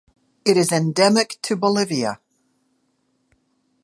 It is endemic to Bolivia.